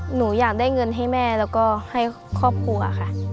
หนูอยากได้เงินให้แม่แล้วก็ให้ครอบครัวค่ะ